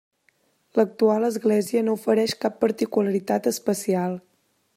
L'actual església no ofereix cap particularitat especial.